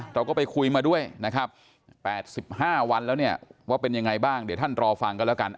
เราก็ไปคุยมาด้วยนะครับ๘๕วันแล้วเนี่ยว่าเป็นยังไงบ้างเดี๋ยวท่านรอฟังกันแล้วกัน